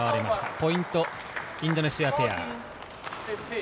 ポイント、インドネシアペア。